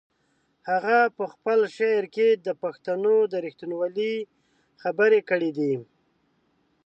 هغه په خپل شعر کې د پښتنو د رښتینولۍ خبرې کړې دي.